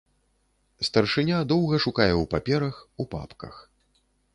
Старшыня доўга шукае ў паперах, у папках.